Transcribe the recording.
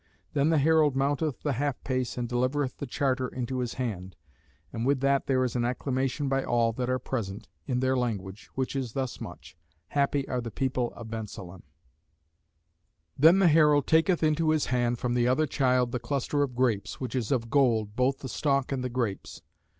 Then the herald mounteth the half pace and delivereth the charter into his hand: and with that there is an acclamation by all that are present in their language, which is thus much: Happy are the people of Bensalem. Then the herald taketh into his hand from the other child the cluster of grapes, which is of gold, both the stalk and the grapes.